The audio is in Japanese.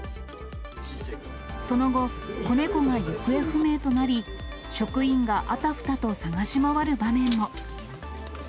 その後、子猫が行方不明となり、職員があたふたと探し回る場面も。